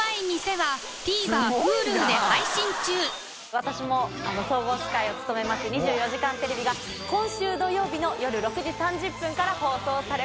私も総合司会を務めます「２４時間テレビ」が掬斃貌↓よる６時３０分から放送されます。